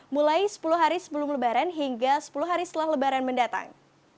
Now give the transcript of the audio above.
mulai sepuluh hari sebelum lebaran hingga sepuluh hari setelah lebaran mendatang